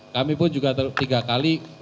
kami pun juga tiga kali